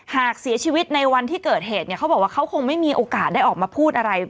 หากเสียชีวิตในวันที่เกิดเหตุเนี่ยเขาบอกว่าเขาคงไม่มีโอกาสได้ออกมาพูดอะไร